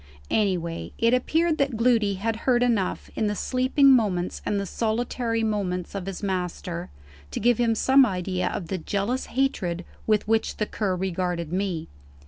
Anyway, it appeared that Gloody had heard enough, in the sleeping moments and the solitary moments of his master, to give him some idea of the jealous hatred with which the Cur regarded me.